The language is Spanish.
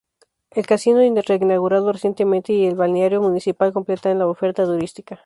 El casino, reinaugurado recientemente, y el balneario municipal complementan la oferta turística.